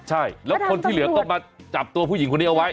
ใช่แล้วคนที่เหลือก็มาจับตัวผู้หญิงคนนี้เอาไว้